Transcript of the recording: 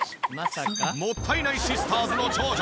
もったいないシスターズの長女